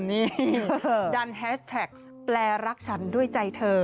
นี่ดันแฮชแท็กแปลรักฉันด้วยใจเธอ